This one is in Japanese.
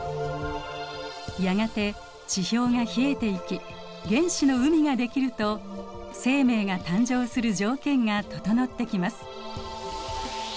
やがて地表が冷えていき原始の海ができると生命が誕生する条件が整ってきます。